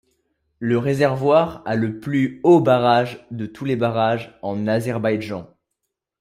Le réservoir a le plus haut barrage de tous les barrages en Azerbaïdjan.